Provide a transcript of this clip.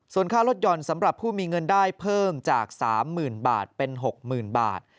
ส่วนค่ารถยนต์สำหรับผู้มีเงินได้เพิ่มจาก๓๐๐๐บาทเป็น๖๐๐๐บาท